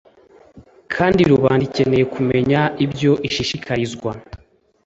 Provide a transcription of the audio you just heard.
kandi rubanda ikeneye kumenya ibyo ishishikarizwa.